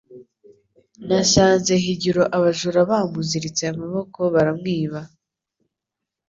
Nasanze higiro abajura bamuziritse amaboko baramwiba.